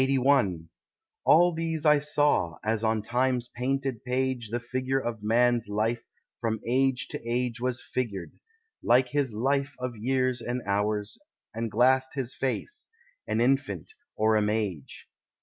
LXXXI All these I saw, as on time's painted page The figure of man's life from age to age Was figured, like his life of years and hours, And glassed his face—an infant or a mage.